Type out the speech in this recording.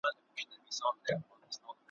پر هرګام چي شکر باسم له اخلاصه `